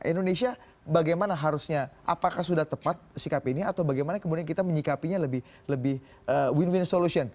indonesia bagaimana harusnya apakah sudah tepat sikap ini atau bagaimana kemudian kita menyikapinya lebih win win solution